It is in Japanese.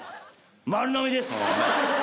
丸のみです。